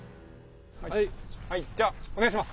じゃあお願いします！